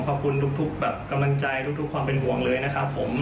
ขอบคุณทุกแบบกำลังใจทุกความเป็นห่วงเลยนะครับผม